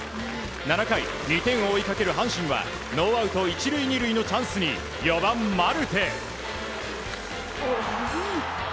７回、２点を追いかける阪神はノーアウト１塁２塁のチャンスに４番、マルテ。